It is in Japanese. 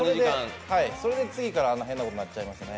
それで次からあんな変なことなっちゃいましたね。